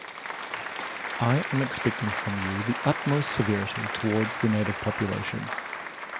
I am expecting from you the utmost severity towards the native population.